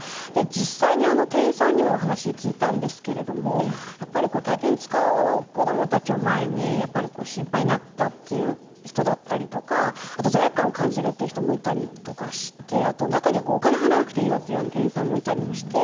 実際に店員さんにもお話、聞いたんですけれどもやっぱり、大金使う子どもたちを前にやっぱり心配になったっていう人だったりとかあと、罪悪感を感じるという人もいたりとかして、中には、お金を払わなくていいよっていうような店員さんもいたりして。